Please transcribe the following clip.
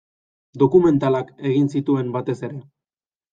Dokumentalak egin zituen batez ere.